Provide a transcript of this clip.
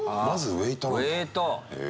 ウエイト！